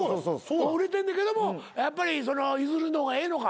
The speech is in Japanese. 売れてんねんけどもやっぱりゆずるの方がええのか？